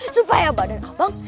supaya badan abang